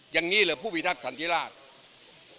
อย่างนี้แหละผู้พิทักษณ์สันติราช